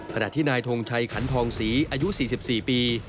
ขณะที่นายทงชัยขันทองศรีอายุ๔๔ปี